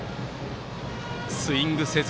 スイングせず。